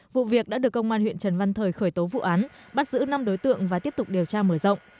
vụ việc đã được công an huyện trần văn thời khởi tố vụ án bắt giữ năm đối tượng và tiếp tục điều tra mở rộng